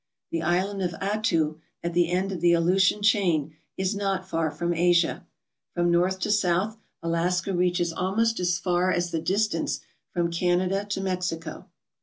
The Island of Attu, at the end of the Aleutian chain, is not far from Asia. From north to south, Alaska reaches al most as far as the distance from Canada to Mexico.